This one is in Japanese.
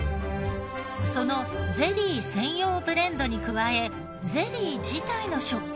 そのゼリー専用ブレンドに加えゼリー自体の食感でも。